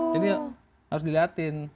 jadi harus dilihatin